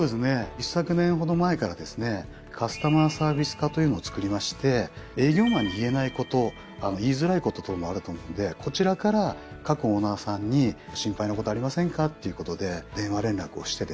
一昨年ほど前からですねカスタマーサービス課というのをつくりまして営業マンに言えないこと言いづらいこと等もあると思うんでこちらから各オーナーさんに心配なことありませんか？っていうことで電話連絡をしてですね